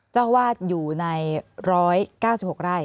เจ้าวาดอยู่ใน๑๙๖ไร่